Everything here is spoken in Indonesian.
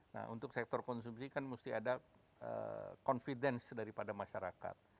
nah untuk sektor konsumsi kan mesti ada confidence daripada masyarakat